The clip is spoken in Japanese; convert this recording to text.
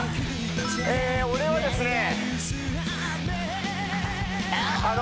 え俺はですねえ！